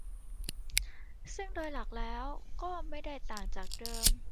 ซึ่งโดยหลักแล้วก็ไม่ได้ต่างจากเดิม